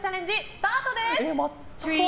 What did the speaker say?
スタートです。